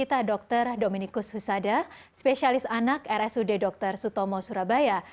terima kasih banyak banyak